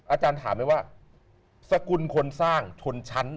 อาจารย์ถามไหมว่าสกุลคนสร้างชนชั้น